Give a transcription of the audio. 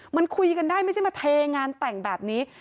มันคุยกันได้ไม่ใช่มาเทงานแต่งแบบนี้